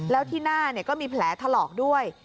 แล้วที่หน้าก็มีแผลถลอกด้วย